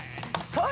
そう！